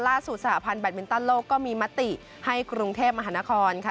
สหพันธ์แบตมินตันโลกก็มีมติให้กรุงเทพมหานครค่ะ